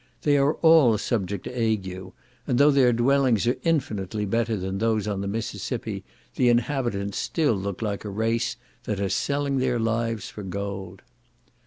—They are all subject to ague, and though their dwellings are infinitely better than those on the Mississippi, the inhabitants still look like a race that are selling their lives for gold.